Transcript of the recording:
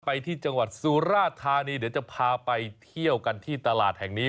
ไปที่จังหวัดสุราธานีเดี๋ยวจะพาไปเที่ยวกันที่ตลาดแห่งนี้